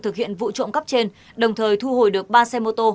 thực hiện vụ trộm cắp trên đồng thời thu hồi được ba xe mô tô